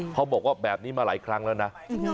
เขาบอกว่าแบบนี้มาหลายครั้งแล้วนะ